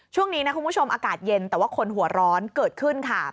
ช่วงนี้นะคุณผู้ชมอากาศเย็นแต่ว่าคนหัวร้อนเกิดขึ้นค่ะ